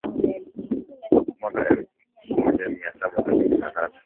Mwaka elfumoja miasaba sabini na tatu